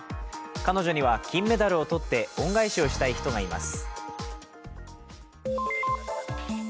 彼女には金メダルを取って恩返しをしたい人がいます。